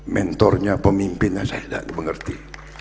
mentornya pemimpinnya saya tidak dimengerti